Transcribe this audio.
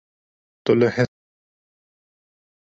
Tu li hespê siwar dibî?